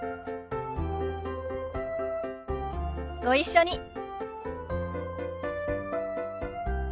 ご一緒に。